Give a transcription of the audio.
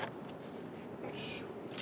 よし。